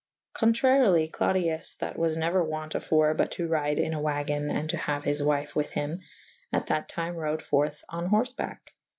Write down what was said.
Contraryly Clodius that was neuer wont afore but to ryde in a wagen & to haue his wyfe with hym : at that tyme rode furth on horfebacke.